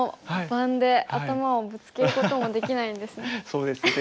そうですね。